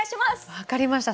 分かりました。